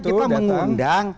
kalau kita mengundang